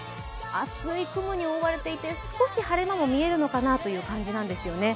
厚い雲に覆われていて、少し晴れ間も見えるのかなという感じなんですよね。